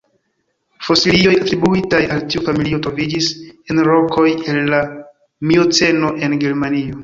Fosilioj atribuitaj al tiu familio troviĝis en rokoj el la Mioceno en Germanio.